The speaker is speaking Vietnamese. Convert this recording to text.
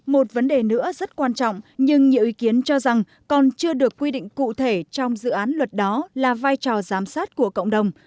một vấn đề nữa rất quan trọng nhưng nhiều ý kiến cho rằng còn chưa được quy định cụ thể trong dự án luật đó là vai trò giám sát của cộng đồng